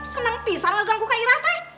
seneng pisah gak ganggu ke ira teh